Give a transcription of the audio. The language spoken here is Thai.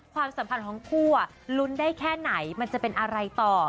ความสัมพันธ์ของคู่ลุ้นได้แค่ไหนมันจะเป็นอะไรต่อ